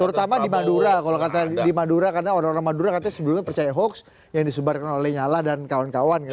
terutama di madura kalau di madura karena orang orang madura katanya sebelumnya percaya hoax yang disebarkan oleh nyala dan kawan kawan gitu